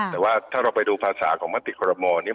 แต่ว่าถ้าเราไปดูภาษาของมติคอรมอลเนี่ย